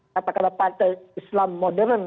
kata kata partai islam modern